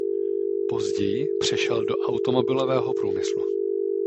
Později přešel do automobilového průmyslu.